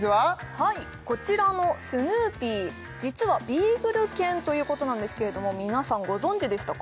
はいこちらのスヌーピー実はビーグル犬ということなんですけれども皆さんご存じでしたか？